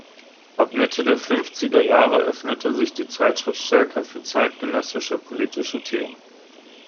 Ab Mitte der fünfziger Jahre öffnete sich die Zeitschrift stärker für zeitgenössische politische Themen.